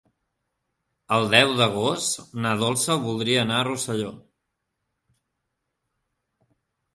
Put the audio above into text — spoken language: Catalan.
El deu d'agost na Dolça voldria anar a Rosselló.